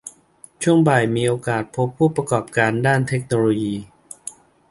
ช่วงบ่ายมีโอกาสพบผู้ประกอบการด้านเทคโนโลยี